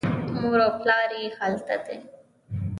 مور او پلار یې هلته دي.